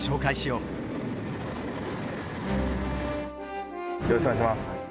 よろしくお願いします。